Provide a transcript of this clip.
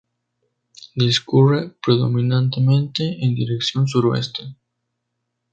Discurre predominantemente en dirección suroeste.